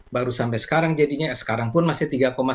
baru sampai sekarang jadinya sekarang pun masih tiga sembilan